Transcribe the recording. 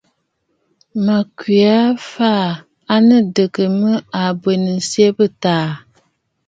Mə̀ kwe aa fàa adɨgə mə à nɨ abwenənsyɛ bɨ̂taà aà.